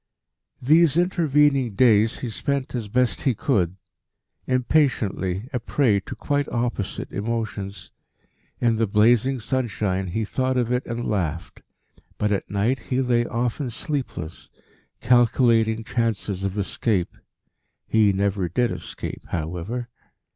These intervening days he spent as best he could impatiently, a prey to quite opposite emotions. In the blazing sunshine he thought of it and laughed; but at night he lay often sleepless, calculating chances of escape. He never did escape, however.